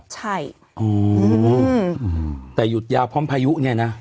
ใช่ออหืออือแต่หยุดยาวพร้อมพายุไงนะ